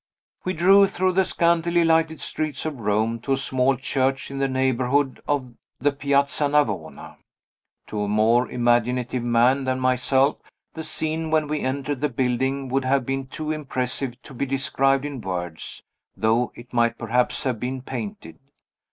We drove through the scantily lighted streets of Rome to a small church in the neighborhood of the Piazza Navona. To a more imaginative man than myself, the scene when we entered the building would have been too impressive to be described in words though it might perhaps have been painted.